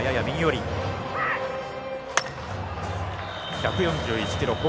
１４１キロ。